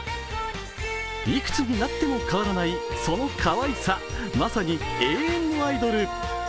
いくつになっても変わらないそのかわいさまさに永遠のアイドル。